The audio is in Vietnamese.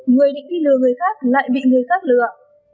người định đi lừa người khác lại bị người khác lừa